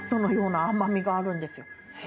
があるんですよ。